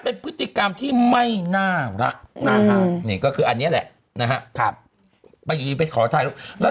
ไปที่นี่ไปขอถ่ายรูป